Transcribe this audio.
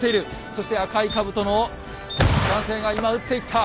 そして赤い兜の男性が今撃っていった。